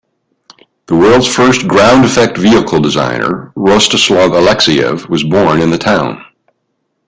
The world's first ground effect vehicle designer Rostislav Alexeyev was born in the town.